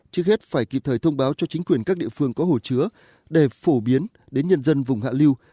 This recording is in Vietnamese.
trước hết phải kịp thời thông báo cho chính quyền các địa phương có hồ chứa để phổ biến đến nhân dân vùng hạ liêu